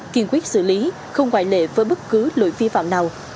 kiên quyết xử lý không ngoại lệ với bất cứ lỗi vi phạm nào